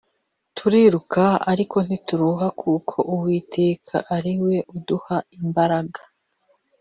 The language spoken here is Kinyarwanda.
turiruka ariko ntituruha kuko uwiteka ariwe uduha imabaraga